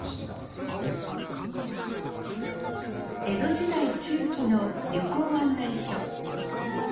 江戸時代中期の旅行案内書。